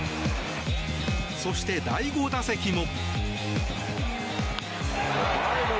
そして、第５打席も。